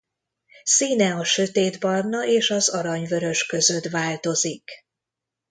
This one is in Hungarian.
Színe a sötétbarna és az arany-vörös között változik.